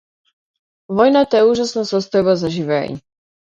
Војната е ужасна состојба за живеење.